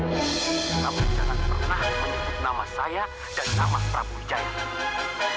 penjara pernah menyebut nama saya dan nama prabu jaya